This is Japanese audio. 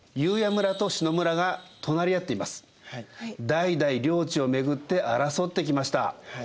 代々領地をめぐって争ってきました。